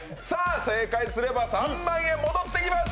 正解すれば３万円戻ってきます！